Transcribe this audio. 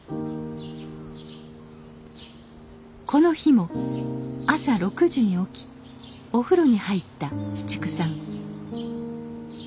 この日も朝６時に起きお風呂に入った紫竹さん。